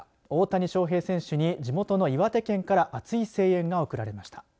大谷翔平選手に地元の岩手県から熱い声援が送られました。